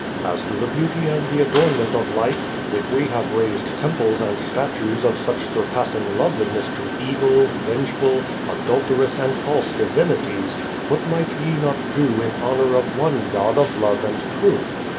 As to the ]>eauty and the adornment of life, if we have raised temples and statues of such surpassing Im eliness to evil, vengeful, adulterous and false divinities, what might ye not do in honor of one God of love and truth?